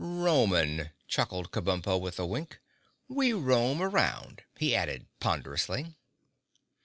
"Roman," chuckled Kabumpo with a wink. "We roam around," he added ponderously.